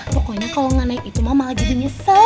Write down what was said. pokoknya kalo gak naik itu mama jadi nyesel